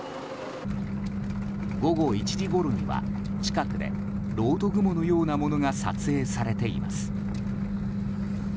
午後１時ごろには近くで、ろうと雲のようなものが撮影されています。